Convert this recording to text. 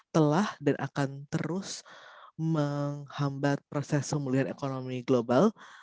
telah dan akan terus menghambat proses pemulihan ekonomi global